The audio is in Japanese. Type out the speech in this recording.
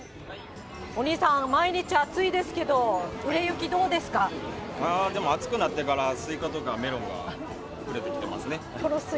お兄さん、毎日暑いですけど、売れ行き、でも暑くなってから、スイカとかメロンが売れてってますね。